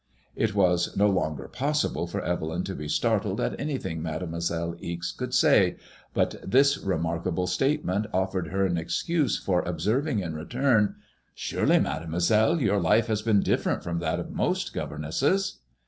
It was no longer possible for Evelyn to be startled at any thing Mademoiselle Ixe could say, but this remarkable state MADEMOISELLE IXE. I33 ment afforded her an excuse for observing in return :Surely, Mademoiselle, your life has been different from that of most governesses?"